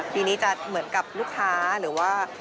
ปีนี้จะเหมือนกับลูกค้าหรือว่าผู้บริโภค